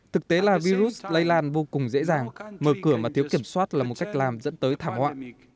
thực tế là virus lây lan vô cùng dễ dàng mở cửa mà thiếu kiểm soát là một cách làm dẫn tới thảm họa